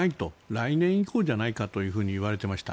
来年以降じゃないかといわれていました。